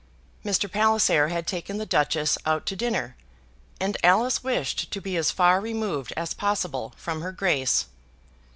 Mr. Palliser had taken the Duchess out to dinner, and Alice wished to be as far removed as possible from her Grace.